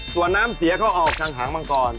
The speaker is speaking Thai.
ส่วนน้ำเสียเขาออกทางหางมังกร